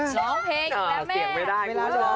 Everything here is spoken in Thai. เสียงไม่ได้